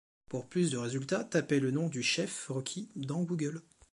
Pour plus de résultats, taper le nom du chef requis dans Google.